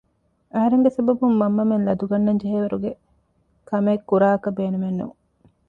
އަހަރެންގެ ސަބަބުން މަންމަމެން ލަދު ގަންނަންޖެހޭ ވަރުގެ ކަމެއް ކުރާކަށް ބޭނުމެއް ނޫން